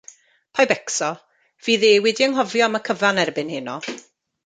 Paid becso, fydd e wedi anghofio am y cyfan erbyn heno.